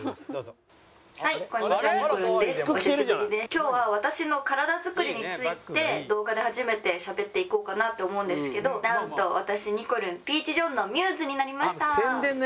今日は私の体づくりについて動画で初めてしゃべっていこうかなって思うんですけどなんと私にこるんピーチ・ジョンのミューズになりました。